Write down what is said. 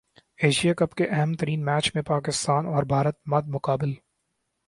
Asia Cup کے اہم ترین میچ میں پاکستان اور بھارت مد مقابل